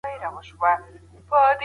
کمپيوټر کار تنظيموي.